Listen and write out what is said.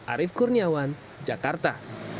arief kurniawan jakarta